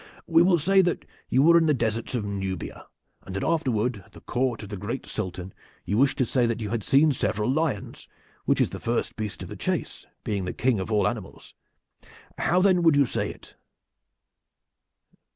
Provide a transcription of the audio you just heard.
We will say that you were in the deserts of Nubia, and that afterward at the court of the great Sultan you wished to say that you had seen several lions, which is the first beast of the chase, being the king of all animals. How then would you say it?"